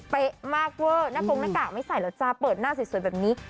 เป๊ะมากเว่อหน้ากากไม่ใส่แล้วจ้าเปิดหน้าสวยแบบนี้